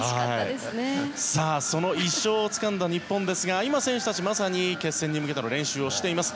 その１勝をつかんだ日本ですが今、選手たちまさに決戦に向けての練習をしています。